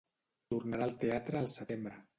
Tornarà al teatre al setembre.